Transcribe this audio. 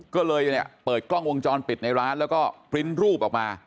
ก็เลยเนี่ยเปิดกล้องวงจรปิดในร้านแล้วก็ปริ้นต์รูปออกมา